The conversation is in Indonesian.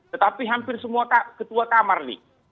tetapi hampir semua ketua kamar nih